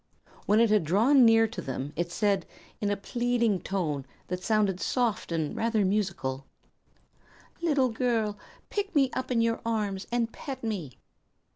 When it had drawn near to them it said, in a pleading tone that sounded soft and rather musical: "Little girl, pick me up in your arms, and pet me!"